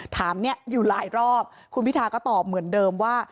ถามเนี่ยอยู่หลายรอบคุณพิทาก็ตอบเหมือนเดิมว่า